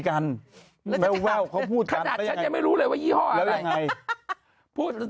ขนาดฉันยังไม่รู้ยี่ห้ออะไร